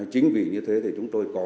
chính vì như thế thì chúng tôi có